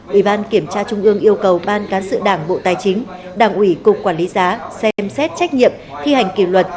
ủy ban kiểm tra trung ương yêu cầu ban cán sự đảng bộ tài chính đảng ủy cục quản lý giá xem xét trách nhiệm thi hành kỷ luật